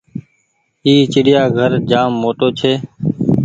اي چڙيآ گهر جآم موٽو ڇي۔